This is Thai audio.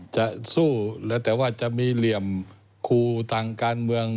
จะสู้เหลือแต่ว่าจะมีเหลี่ยมครูต่างการเมือง